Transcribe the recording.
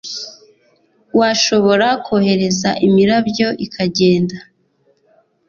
washobora kohereza imirabyo ikagenda,